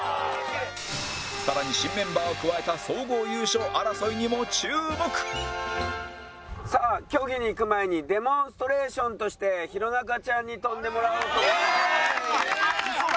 さらに新メンバーを加えたさあ競技にいく前にデモンストレーションとして弘中ちゃんに跳んでもらおうと思います。